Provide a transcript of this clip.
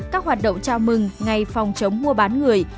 các hoạt động chào mừng ngày phòng chống mua bán người